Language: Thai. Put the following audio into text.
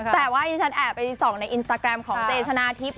แต่ว่าที่ฉันแอบไปส่องในอินสตาแกรมของเจชนะทิพย์